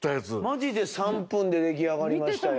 マジで３分で出来上がりましたよ。